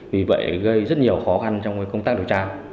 vì vậy gây rất nhiều khó khăn trong công tác điều tra